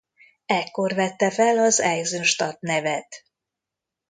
Ekkor vette fel az Eisenstadt nevet.